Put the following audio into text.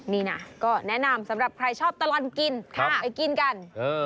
นี่นะก็แนะนำสำหรับใครชอบตลอดกินไปกินกัน